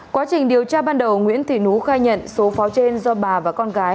quá trình điều tra ban đầu nguyễn thị nú khai nhận số pháo trên do bà và con gái